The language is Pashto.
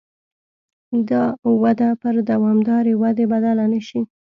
دا وده پر دوامدارې ودې بدله نه شي.